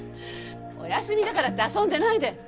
お休みだからって遊んでないで。